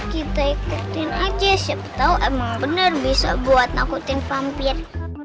kita ikutin aja siapa tau emang bener bisa buat nakutin pampit